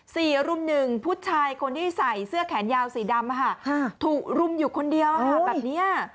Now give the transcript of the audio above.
สี่รุ่มหนึ่งผู้ชายคนที่ใส่เสื้อแขนยาวสีดำถูกรุมอยู่คนเดียวแบบเนี้ย